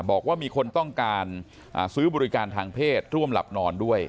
บอกว่ามีคนต้องการซื้อบริการทางเพศร่วมหลับนอนด้วย